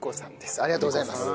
ありがとうございます。